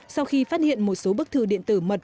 sau khi phát hiện một số bức thư điện tử mật